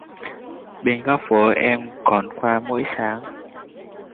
Bên góc phố em còn qua mỗi sáng